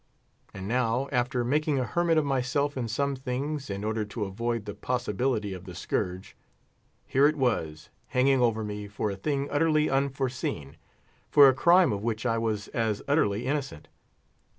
And now, after making a hermit of myself in some things, in order to avoid the possibility of the scourge, here it was hanging over me for a thing utterly unforeseen, for a crime of which I was as utterly innocent.